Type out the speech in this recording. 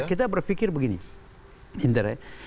kita berpikir begini